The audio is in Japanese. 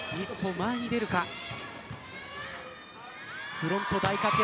フロント大活躍